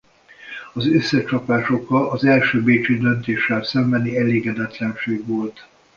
Az összecsapás oka az első bécsi döntéssel szembeni elégedetlenség volt.